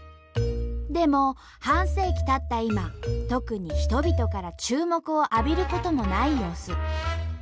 でも半世紀たった今特に人々から注目を浴びることもない様子。